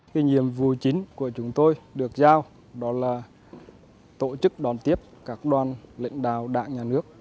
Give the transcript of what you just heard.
cái nhiệm vụ chính của chúng tôi được giao đó là tổ chức đón tiếp các đoàn lãnh đạo đảng nhà nước